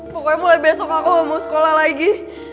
pokoknya mulai besok aku mau sekolah lagi